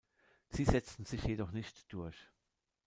Sie setzten sich jedoch nicht durch.